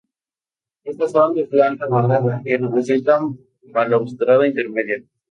Estas son de planta cuadrada y presentan balaustrada intermedia.